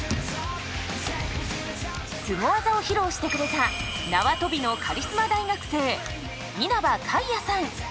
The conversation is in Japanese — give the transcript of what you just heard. スゴ技を披露してくれた縄跳びのカリスマ大学生稲葉海哉さん！